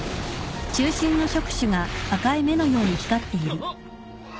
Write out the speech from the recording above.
あっ！？